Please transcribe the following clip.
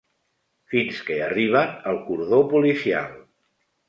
Fins que arriben al cordó policial.